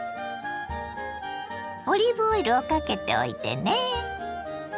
オリーブオイルをかけておいてね。